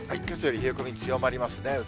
けさより冷え込み強まりますね。